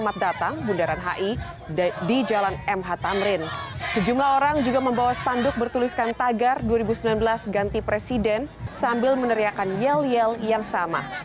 masyarakat yang memakai baju bertuliskan tagar dua ribu sembilan belas ganti presiden sambil meneriakan yel yel yang sama